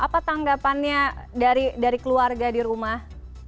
apa tanggapannya dari keluarga di rumah